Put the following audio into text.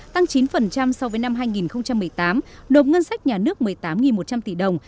tăng chín so với năm hai nghìn một mươi tám nộp ngân sách nhà nước một mươi tám một trăm linh tỷ đồng